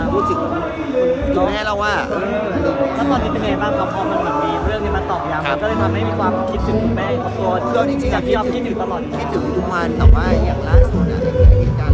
พูดจริงอืมแล้วเอาหว่าอืมถ้าตอนนี้เป็นไรบ้าง